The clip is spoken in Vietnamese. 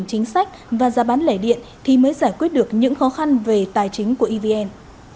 chính sách và giá bán lẻ điện thì mới giải quyết được những khó khăn về tài chính của evn